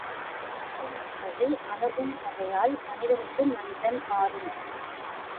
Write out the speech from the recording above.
இந்த இன்பம் என்பது அணுகும் வகையால் மனிதனுக்கு மனிதன் மாறும்.